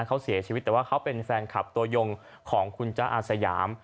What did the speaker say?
เขาเสียชีวิตแต่ว่าเขาเป็นแฟนคลับตัวยงของคุณจ๊ะอาสยาม